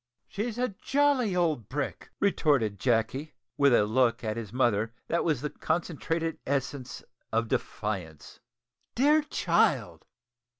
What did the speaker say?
"She's a jolly old brick," retorted Jacky, with a look at his mother that was the concentrated essence of defiance. "Dear child!"